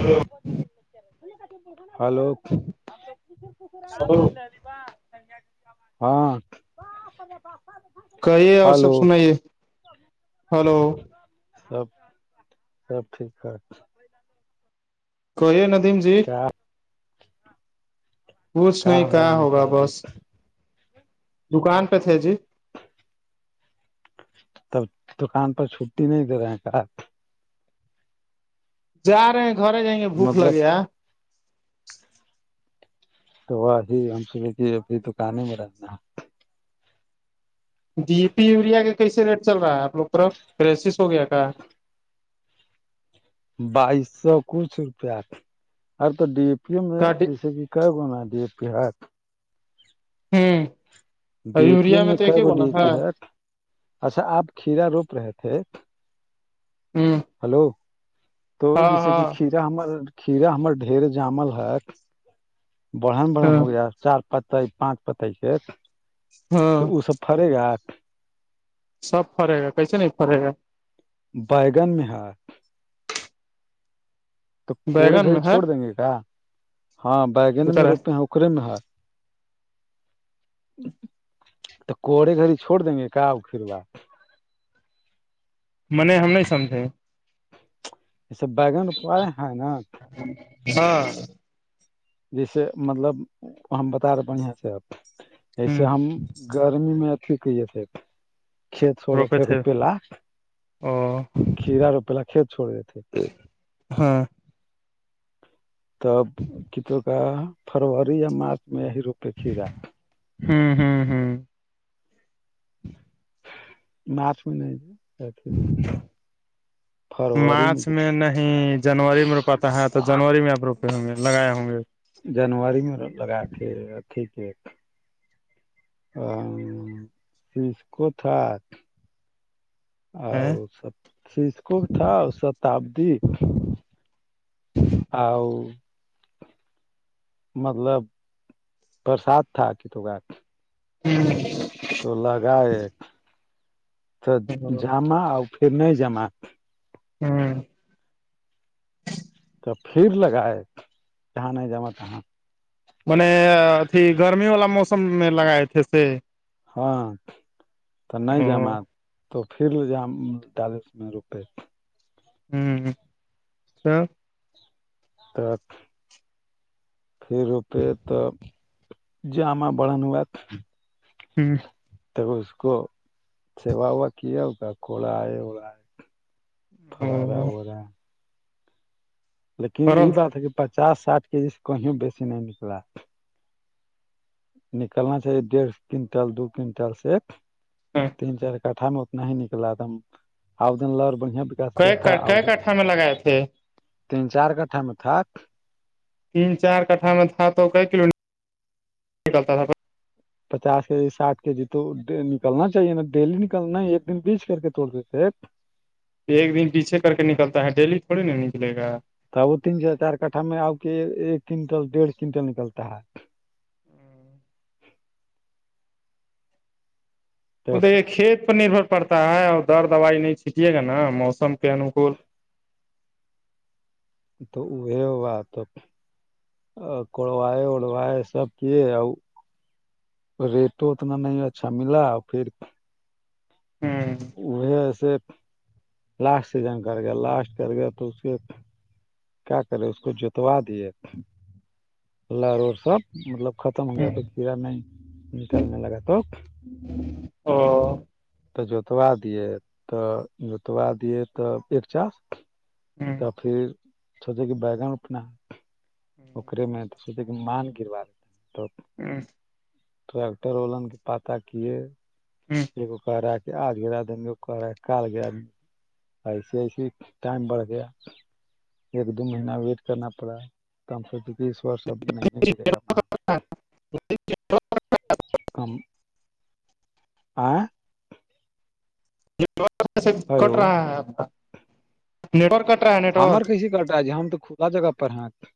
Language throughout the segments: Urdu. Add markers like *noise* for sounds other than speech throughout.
ہلو ہلو سب- ہاں کہیے اور سب ہلو سنائیے ہلو سب- سب ٹھیکٹھاک کہئیے ندم جی- ہاں کوچھ نہیں کیا ہوگا بس دکان پہ تھے جی- تب دکان پر چھٹی نہیں دے رہے ہیں ک- جا رہے ہیں گھر جائیں گے بھوک لگے مطلب تو وہ ہم سےے کہ ابھی دکان میں رہنا ڈی پی یوریا کے کیسے ریٹ چل رہا ہے آ لوگ طرف کرریسس ہو گیا کا بائیس سو کچھ روپیہ ار تو ڈی ای پی او میں کا جیسے کہ ک گونا دی کےحات ہوں ڈی ا پیو یوریا میں تو ک ایک ہی گو بولا ڈی ا پی ہے اچھا آپ کھیرا روپ رہے تھے ہوں ہلو تو جیسے کہ کھیا ہم کھیرا ہمر ڈھیر جامل ہے بڑھن بڑھن ہاں ہو گیا چار پتائی پانچ پتائی سے ہاں تو وہ سب پڑے گا آ سب پڑے گا کیسے نہیں پرے گا بیائیگان مہار تو کوڑے بیگن گھڑی میں ہے چھوڑ دیں گے کیا ہاں بیگن میں کرا روپے ہیں اکرے میں ہے تو کوڑے گھڑی چھوڑ دیں گے کاؤ پھروا م نے ہم نہیں سمجھے ایس بگن پڑے ہے نا ہاں جیسے مطلب ہم بتا رہے بڑھیا سے آپ جسے ہم ہ گرمی میں اھی کہئیے سےب کھیت چھوڑے تھے روپے ل او کھیرا روپی ل کھیت چھوڑ دی تھے ہاں تب کت کا فروری یا مارچ میں یہ روپے کھی را ہوں ہوں ہوں ناچ ہوئی ن ج مارچ میں نہیں جنوری میں روپاتا ہے تو جنوری میں آپ روپے ہوں گے لگائے ہوں گے جنوری میں لگا کے اھی پ ہ چیس ک تھا ا سب سیسک تھا شتابدی آؤ مطلب برسات تھا کتوں کا ہوں تو لگاائے تو ہوں جما اور پھر نہیں جمع ہوں پھر لگائے جہاں نہیں جمعاں م نے اھی گرمی والا موسم میں لگائے تھے سے ہاں تو نہیں جم ہوں آ تو پھر ج ڈالس میں روپے ہوں تو ت پھر روپے توب جو آ بڑان بات ہوں تب اس کو سیوا ووا کیا ہوگا کھڑا آئے اڑا آئے خارا او ہو رہا لیکن یہ فرل بات ہے کہ پچاس ساٹھ کے جی سے کہیں بیسی نہیں نکلا نکلنا چاہیے ڈیڑھ کنٹل دو کنٹل سے ایک تین چار کھا میں اتنا ہی نکلا ا دم آؤن لا بڑھیا وکاس ک کیا تھا آؤ کئے دن کٹھا میں لگائے تھے تین چار کٹھا میں تھک تین چار کٹھا میں تھا تو کئی کلو میٹر نکلتا تھا پچاس کے جی ساھ کے جی تو نکلنا چاہیے نا ڈیلی نکلنا ہے ایک دن بیچ کر کے توڑ دیتے ایک دن پیچھے کر کے نکلتا ہے ڈیلی تھوڑی نا نکلے گا ت وہ تین سے چار کٹھا میں آ کے ایک کنٹل ڈیڑھ کنٹل نکلتا ہے ا تو دے کھیت پ نربھر پڑتا ہے اور در دوائی نہیں چھینٹیے گا نا موسم کے انوکول *unintelligible* تو ا ہوا تو *inaudible* *unintelligible* ا کڑوائے وڑوائے سب کیے آ *inaudible* *unintelligible* ریٹ تو اتنا نہیں اچھا ملا پھر ہوں اسے لاسٹ سیزن کر گیا لاسٹ کر گیا تو اس کے کیا کرے اس کو جتوا دیے فلہر اور سب مطلب ختم ہو گیا تو کیڑا میں نکلنے لگا تو ہ *unintelligible* *inaudible* تو ج *inaudible* *unintelligible* جتوا دیے ت جتوا دیے تب ایک چاس کٹ تب پھر سوچے کہ بیگن اپنا اے میں تو سوچے کہ مان گروا لیتا تو *unintelligible* ا *inaudible* *unintelligible* ٹریکٹر والن کے پاتہ کیے ہوں *inaudible* *unintelligible* یہگ کو کہ رہا کہ آج گرا دن کو کہ رہا ہے کال گرا د *unintelligible* ایسے ایسے ٹائم بڑھ گیا ایک دو مہین ویٹ کرنا پڑا ہےم سےکیس وورس اب نہیں گرے گا کم *unintelligible* *inaudible* آئ *inaudible* *unintelligible* نیٹک کٹ ہلو رہا ہے کا نیٹورک کٹ رہا ہے *unintelligible* *inaudible* ہمر کیسیے کرتا ہےجی ہم تو کلا جگہ پر ہیںت *unintelligible* *inaudible*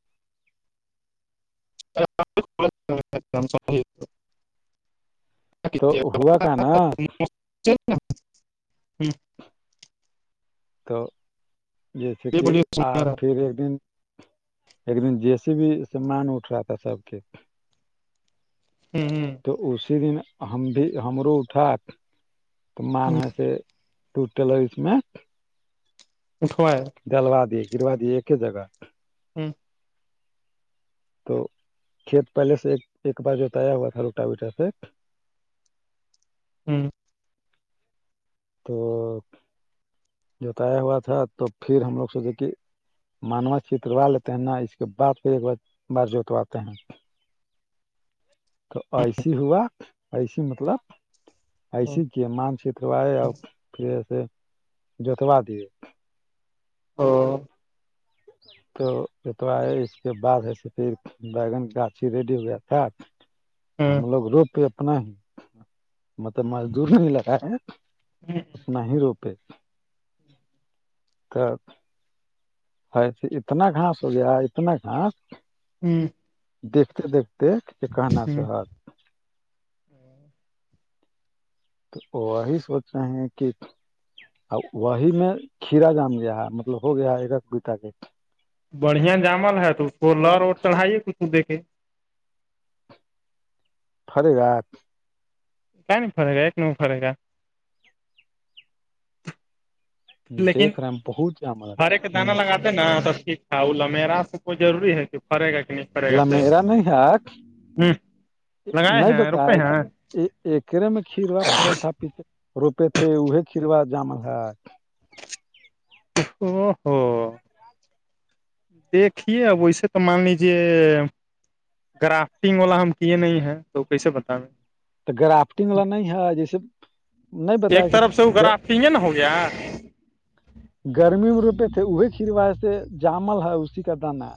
*unintelligible* تو ہوا کا نا *inaudible* *unintelligible* تو جیسے یہ کہ بولیے آ سنا رہا پھر ایک دن ایک دن جیسے بھی سمان اٹھ رہا تھا سب کے ہوں ہ *inaudible* *unintelligible* تو اسی دن ہم بھی ہمرو اٹھات تو مان ہے سے *unintelligible* *inaudible* ٹو ٹیلر اس میں *unintelligible* *inaudible* اٹھوائے دلوا دیے گروا دی ایک ہی جگہ ہوں *inaudible* *unintelligible* *inaudible* *unintelligible* تو کھیت پہلے سے ایک ایک بار جوتایا ہوا تھا لوٹا وٹا سے ہوں *inaudible* *unintelligible* تو جوتایا ہوا تھا تو پھر ہم لوگ سوچے کہ مانوس چتروا لیتے ہیں نا اس کے بعد پھر ایک بار بار جوتواتے ہیں ج *inaudible* *unintelligible* تو ایسیے ہوا ایسیے مطلب ایسیے ہی کی مان چتروائے اور پھرسے جوتوا دیے او *inaudible* *unintelligible* تو اتوا ہے اس کے بعد ہےس پھر بگن گاچ ہی ریڈی ہوئے تھا آپ *unintelligible* ہم لوگ رو پے اپنا ہی ملب مزدور نہیں لگا اپنا ہی روپے ت *inaudible* *unintelligible* ہسے اتنا گھاس ہو گیا اتنا گھاس ہوں *inaudible* *unintelligible* دیکھتے دیکھتے کہ کہنا سے ہوت تو وہی سوچتے ہیں کہ ا وہی میں کھیرا جام گیا ہے مطلب ہو گیا ایکک بیٹ کے بڑھیا جامل ہے تو اس کو لر اور چڑھائیے کچھ دے کے خری رات کیا نہیں پڑے گا ایک نمبر پڑے گا لیکن دیکھ رہے ہیں بہت ہی جم ہ نہ تو ٹیک تھا وہ ل میرا تو کوئی روری ہے کہ پڑے گا کہ نہیں فرے متل گا تو میرا نہیں ہے ہ لگائے نہیں ہیں بتایا روپے ہیں کہ ایکرے میں کھیر ہوا فرل تھا پیھے روپے تھے اے چروا جامل ہے او ہو دیکھیے اب ویسے تو مان لیجیے گرافٹنگ والا ہم کیے نہیں ہیں تو کیسے بتائیں تو گرافٹنگ ل نہیں ہے جیسے ایک طرف سے وہ گرافٹنگے نا ہو گیا گرمی میں روپے تھے وہی چرواائے سے جامل ہے اسی کا دانا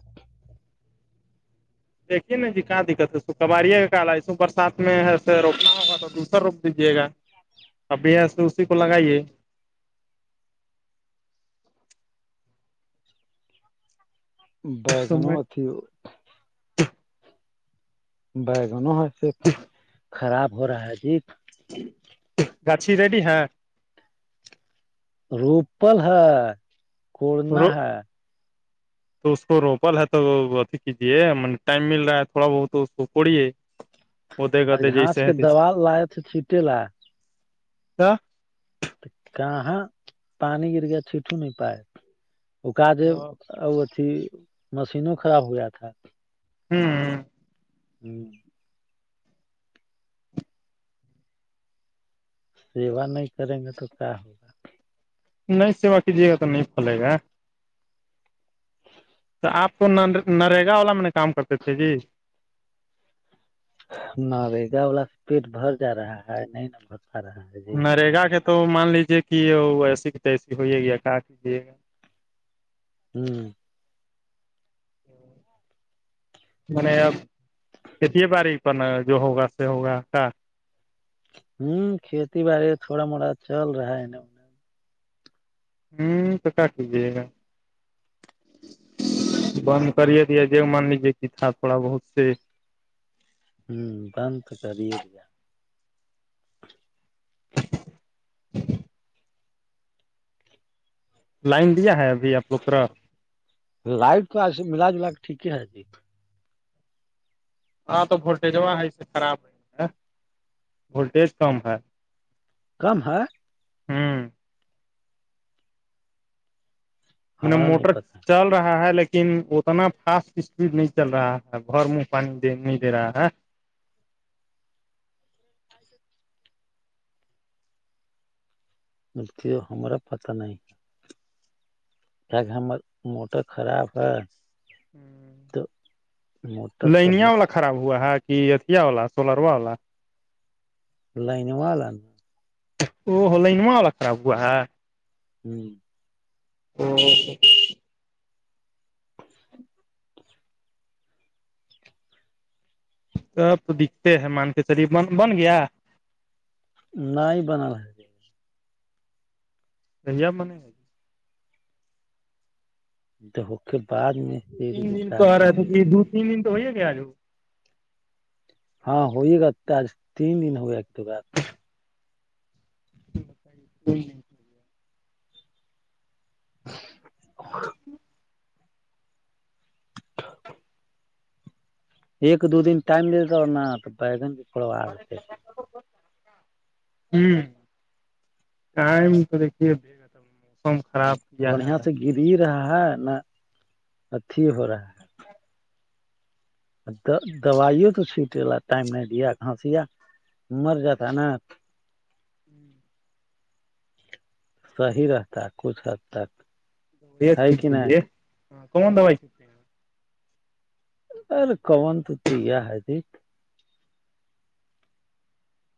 دیکھیے نا جی کہاں دقت ہے س کبااریا کا کال ہے سو برسات میں روکنا ہوگ تو دوسر دیجیے گا ابھی یہ سے اسی کو لگائیے تو بگن میں اھی بیگن ہےسے خراب ہو رہا ہے جی گچ ریڈی ہاں روپل ہے کورنا رو ہے تو اس کو روپل ہے تو اھی کیجیے ٹائم مل رہا ہے تھوڑا بہت اس کو پڑیے ا گھاس کے دیال لاائے تھے چھیٹے ل ہ *unintelligible* کہاں پانی گر گیا چٹو نہیں پائے ا کا ج ا ا تھی مشینوں خراب ہوا تھا ہوں ہ ہوں سیوا نہیں کریں گے تو کیا ہوگا نہیں سیوا کیجیے گا تو نہیں پھلے گا تو آپ کو نرگا والا میں کام کرتے تھے جی ن ریگا والا س پیٹ بھر جا رہا ہے نہیں ن بھر پا رہا ہے جی نرگا کے تو مان لیجیے کہ وہ ایسی ت ایسی ہوئیئے گییا کافے گا ہوں میں نے اب کھیت بڑ پر ن جو ہوگا سے ہوگا کا ہوں کھیتی باڑی تھوڑا موٹا چل رہا ہے نا ہوں تو کاٹ لیجیے گا بند کریے دیا ج مان لیجیے کہ تھا تھوڑا بہت سے ہوں ب تو کرریتیا لائن دیا ہے ابھی آپ لوگترا لائٹ تو ایس ملا جلا کے ٹیک ہے جی ہاں تو وولٹیجاں ہے اسے خراب نہیں وولٹیج کم ہے کم ہے ہوں م ہمارا نہیں موٹر پتا چل رہا ہے لیکن لیکن اتنا فاسٹ اسپیڈ نہیں چل رہا ہے گھر من پانی د نہیں دے رہا ہے مرتیو ہمار پتہ نہیں جاکہ ہمر موٹر خراب ہے ہ تو موٹر تو لینیا ہمار وال ل خراب ہوا کہ اتیا والا سولروا والا- لائن والا ن- ا لائنواں والا خراب ہووا ہے- ہوں ہ اب تو دکھتے ہے مان کے چلیے ب بن گیا- نہیں ہی بنا ہے- پنجاب میں نہیں ہے گ- د کے بعد میں- دو سری تین کے دن تو ساتھ آ رہا ہے تو رہیے گا کہ دو تین دن تو ہو ہییا گیا آج وہ- ہاں ہوئی گت آج تین دن ہوئیکت گ آ- ب اور ایک دو دن ٹائم دی دیتا اور ن تو بیگن بھی تھڑوا دیتے- ہ ٹائم تو دیکھیے ب- موسم خ بڑھیا سے گری رہا ہے نہ اتھی ہو رہا ہے- دوائیوں تو چھیٹ ل ٹائم نہیں دیا کھانسیا مر جاتا نا- ہوں صحیح رہتا کچھ حد تک- ہے کہ نہیں اں کومن دبائی چ- ار کون تیا آ جیت-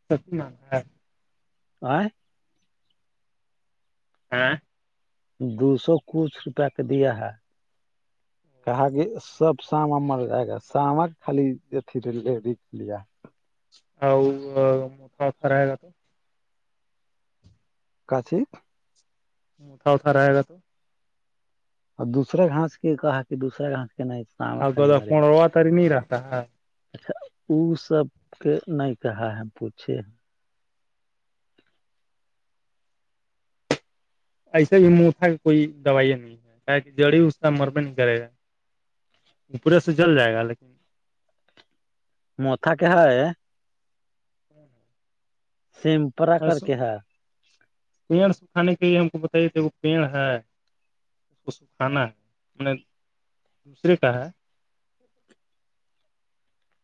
سپنا ہاں- *unintelligible* ہاں دو سو کچھ روپیہ کا دیا ہے- کہا کہ سب ساما مر جائے گا سامک خالی اھی ڈی لیا- آؤ مکھا خرا ہے گا تو- کاچ مھا اٹھا رہے گا تو اور دوسر گاس کی کہا کی دوسرا گاس کینا- ا گا کون روا تاری نہیں رہتا ہے- اچھا ا سب کے نہیں کہا ہے پوچھے ہیں- ایسے بھی مٹا کوئی دوائی نہیں ہے کہ جڑی اس کا مر بھی نہیں کرے گا- پورے سے جل جائے گا لیکن- مت کہ ہے سیم- س پڑ سب کھانے کے لیے ہم کو بتائیے تھے وہ پیڑ ہے- اس کو سکھانا ہے میں نے دوسرے کہا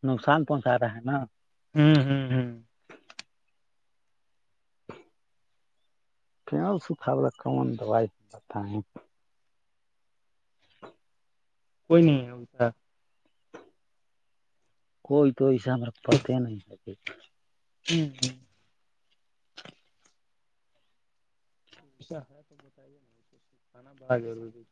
نقصان پہنچا رہا ہے نا- ہوں- ہوں ہوں پ سکھاءا کون دوائی بتیں- ہاں کوئی نہیں- اچ س کوئی تو ایس ہم پتے نہیں سکے- ہی ایسا ہے تو بتائیے نا کھانا بہ ضروری-